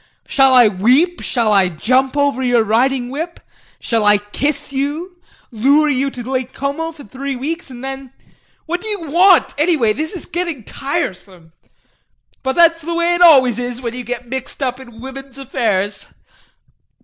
Shall I weep, shall I jump over your riding whip, shall I kiss you, lure you to Lake Como for three weeks, and then what do you want anyway? This is getting tiresome. But that's the way it always is when you get mixed up in women's affairs.